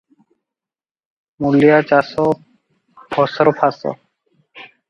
ମୂଲିଆ ଚାଷ ଫସରଫାସ ।"